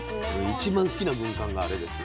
一番好きな軍艦があれですよ。